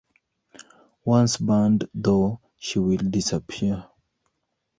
Once burned, though, she will disappear.